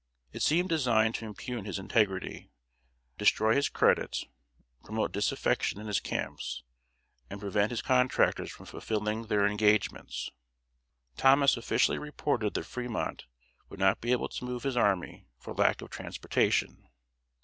It seemed designed to impugn his integrity, destroy his credit, promote disaffection in his camps, and prevent his contractors from fulfilling their engagements. Thomas officially reported that Fremont would not be able to move his army for lack of transportation.